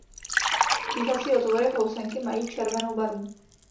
Dýchací otvory housenky mají červenou barvu.